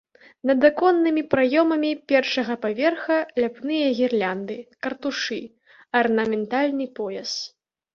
Над аконнымі праёмамі першага паверха ляпныя гірлянды, картушы, арнаментальны пояс.